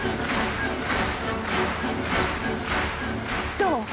どう？